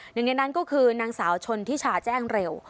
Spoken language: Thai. หนึ่งในนั้นก็คือนางสาวชนทิชาแจ้งเร็ว